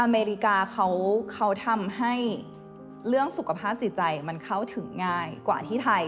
อเมริกาเขาทำให้เรื่องสุขภาพจิตใจมันเข้าถึงง่ายกว่าที่ไทย